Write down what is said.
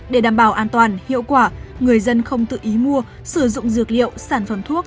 để đảm bảo an toàn hiệu quả người dân không tự ý mua sử dụng dược liệu sản phẩm thuốc